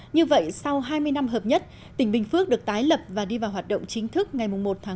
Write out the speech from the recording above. như vậy sau hai mươi năm hợp nhất tỉnh bình phước được tái lập và đi vào hoạt động chính thức ngày một một một nghìn chín trăm chín mươi bảy